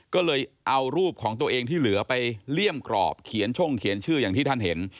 ก็เลยเอารูปของตัวเองที่เหลือไปเลี่ยมกรอบเขียนช่งเขียนชื่ออย่างที่ท่านเห็น